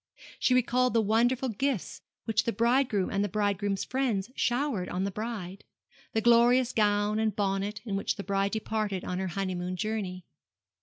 She recalled the wonderful gifts which the bridegroom and the bridegroom's friends showered on the bride the glorious gown and bonnet in which the bride departed on her honeymoon journey.